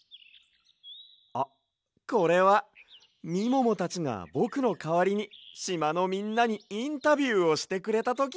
あっこれはみももたちがぼくのかわりにしまのみんなにインタビューをしてくれたときの！